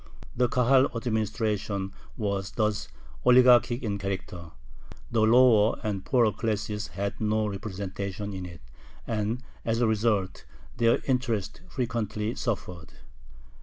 The Kahal administration was thus oligarchic in character. The lower and poorer classes had no representation in it, and, as a result, their interests frequently suffered.